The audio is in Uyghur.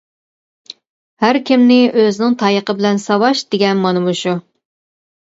ھەركىمنى ئۆزىنىڭ تايىقى بىلەن ساۋاش دېگەن مانا مۇشۇ.